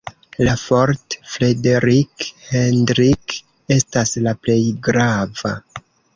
La "Fort Frederik Hendrik" estas la plej grava.